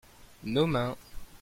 nos mains.